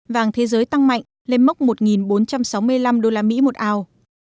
vàng thế giới tăng mạnh lên mốc một bốn trăm sáu mươi năm usd một ao